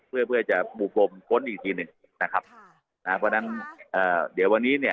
เพื่อเพื่อจะหมู่พรมค้นอีกทีหนึ่งนะครับนะฮะเพราะฉะนั้นเอ่อเดี๋ยววันนี้เนี่ย